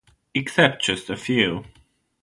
Except just a few.